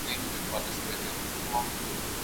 ښوونځی د کوچنیانو لپاره د زدهکړې او روزنې خوندي ځای دی.